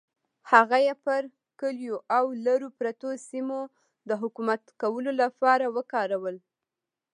هغه یې پر کلیو او لرو پرتو سیمو د حکومت کولو لپاره وکارول.